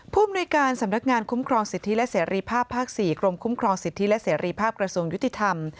ภูมิในการสำนักงานคุ้มครองสิทธิและเสรีภาพภาค๔กรมคุ้มครองสิทธิและเสรีภาพกระทรวงยุติธรรม